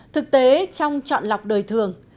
thực tế trong trọn lọc đời thường